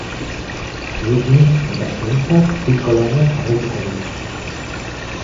Zuekin eta zuentzat tinko lanean jarraituko dut.